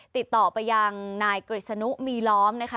ติดต่อไปยังนายกฤษนุมีล้อมนะคะ